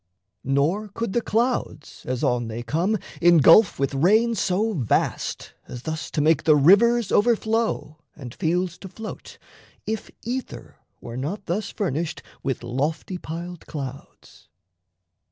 Nor could the clouds, As on they come, engulf with rain so vast As thus to make the rivers overflow And fields to float, if ether were not thus Furnished with lofty piled clouds.